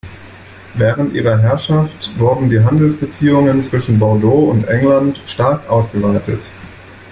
Während ihrer Herrschaft wurden die Handelsbeziehungen zwischen Bordeaux und England stark ausgeweitet.